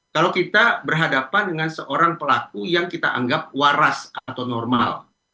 kalau kita berhadapan dengan seorang pelaku yang kita anggap waras atau normal